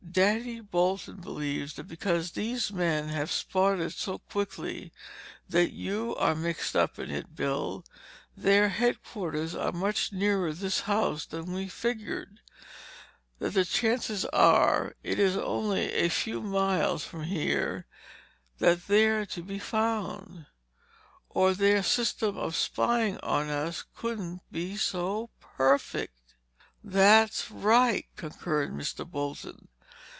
Daddy Bolton believes that because these men have been spotted so quickly that you are mixed up in it, Bill, their headquarters are much nearer to this house than we figured: that the chances are, it is only a very few miles from here that they're to be found—or their system of spying on us couldn't be so perfect!" "That's right," concurred Mr. Bolton.